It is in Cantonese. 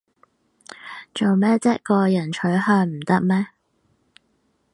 做咩唧個人取向唔得咩